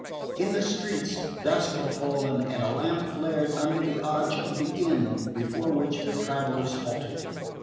In the streets dusk had fallen and a lamp flared under the arch of the inn before which the travellers halted.